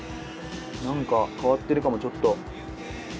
なんか変わってるかもちょっと。